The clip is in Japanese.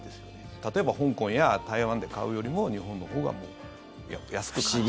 例えば香港や台湾で買うよりも日本のほうが安く買える。